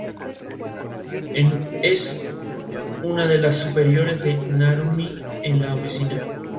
El rifle se comercializó como "La acción de perno más fuerte del mundo".